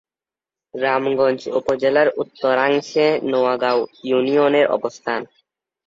রামগঞ্জ উপজেলার উত্তরাংশে নোয়াগাঁও ইউনিয়নের অবস্থান।